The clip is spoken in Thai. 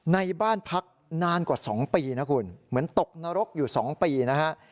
ในบ้านพักนานกว่า๒ปีนะคุณเหมือนตกนรกอยู่๒ปีนะฮะ